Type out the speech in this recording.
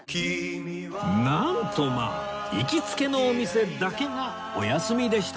なんとまあ行きつけのお店だけがお休みでした